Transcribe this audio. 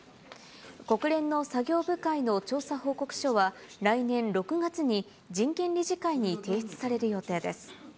国連の作業部会の調査報告書は、来年６月に人権理事会に提出される予定です。